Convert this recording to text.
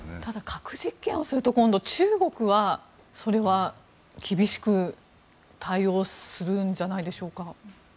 ただ核実験をすると今度、中国はそれは厳しく対応するんじゃないでしょうか？